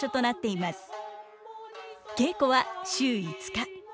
稽古は週５日。